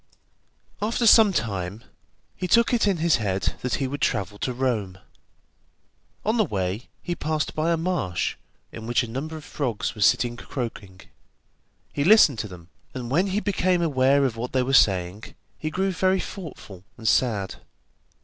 After some time he took it in his head that he would travel to Rome. On the way he passed by a marsh, in which a number of frogs were sitting croaking. He listened to them, and when he became aware of what they were saying, he grew very thoughtful and sad.